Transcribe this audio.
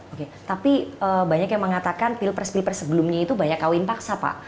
oke tapi banyak yang mengatakan pilpres pilpres sebelumnya itu banyak kawin paksa pak